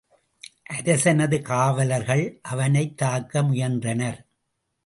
அரசனது காவலர்கள் அவனை தாக்க முயன்றனர்.